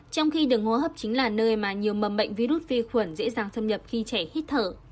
trong khi đường hô hấp chính là nơi mà nhiều mầm bệnh virus vi khuẩn dễ dàng thâm nhập khi trẻ hít thở